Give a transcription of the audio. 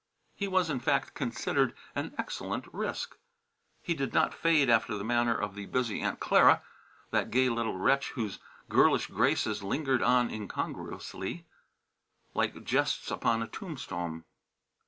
He was, in fact, considered an excellent risk. He did not fade after the manner of the busy Aunt Clara, that gay little wretch whose girlish graces lingered on incongruously like jests upon a tombstone.